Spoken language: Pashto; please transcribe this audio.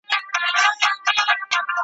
هر قدم د مرګي لومي له هر ګامه ګیله من یم `